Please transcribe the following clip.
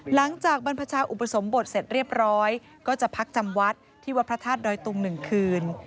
หลังจากบรรพชาอุปสมบทเสร็จเรียบร้อยก็จะพักจำวัดที่วัดพระธาตุดอยตุง๑คืน